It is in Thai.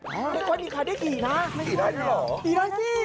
พอดีค่ะได้กี่ไหม